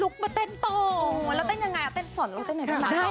กับเพลงที่มีชื่อว่ากี่รอบก็ได้